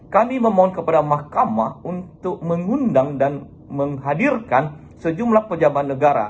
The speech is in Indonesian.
kami memohon kepada mahkamah untuk mengundang dan menghadirkan sejumlah pejabat negara